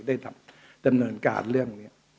ได้ดำเนินการเรื่องนี้